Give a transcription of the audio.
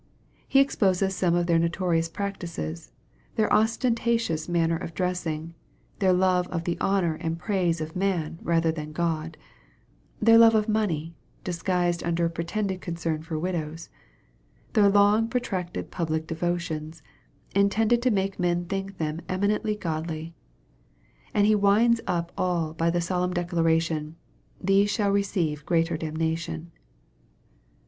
He exposes some of their noto rious practices their ostentatious manner of dressing their love of the honor and praise of man rather than God their love of money, disguised under a pretended concern for widows their long protracted public devo tions, intended to make men think them eminently godly. And He winds up all by the solemn declaration, " these shall receive greater damnation."